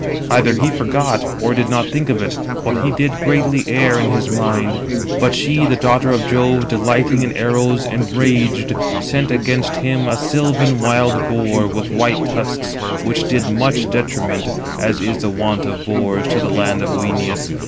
Either he forgot, 320 or did not think of it, but he did greatly err in mind. But she, the daughter of Jove, delighting in arrows, enraged, sent against [him] a sylvan wild boar, with white tusks, which did much detriment, as is the wont [of boars], to the land of Œneus.